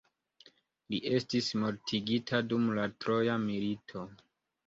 Li estis mortigita dum la troja milito.